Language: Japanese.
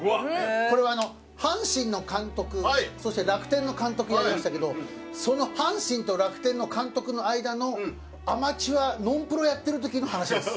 これは阪神の監督そして楽天の監督やりましたけどその阪神と楽天の監督の間のアマチュアノンプロやってる時の話です。